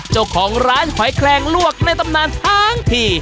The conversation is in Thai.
เจ้าของร้านหอยแคลงลวกในตำนานทั้งที